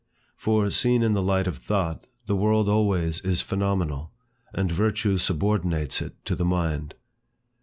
For, seen in the light of thought, the world always is phenomenal; and virtue subordinates it to the mind.